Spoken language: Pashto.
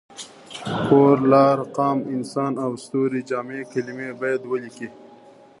کور، لار، قام، انسان او ستوری جمع کلمې باید ولیکي.